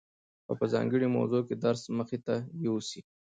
او په ځانګړي موضوع کي درس مخته يوسي،